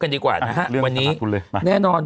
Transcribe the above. มันติดคุกออกไปออกมาได้สองเดือน